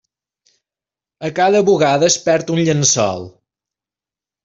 A cada bugada es perd un llençol.